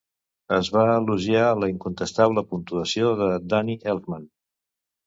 Es va elogiar la incontestable puntuació de Danny Elfman.